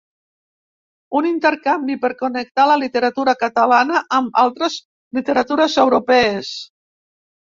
Un intercanvi per connectar la literatura catalana amb altres literatures europees.